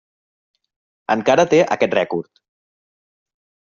Encara té aquest rècord.